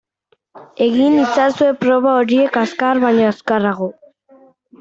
Egin itzazue proba horiek azkar baino azkarrago.